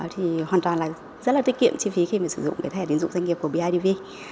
thì hoàn toàn là rất là tiết kiệm chi phí khi mà sử dụng cái thẻ tín dụng doanh nghiệp của bidv